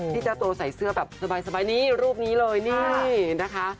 เจ้าตัวใส่เสื้อแบบสบายนี่รูปนี้เลยนี่นะคะ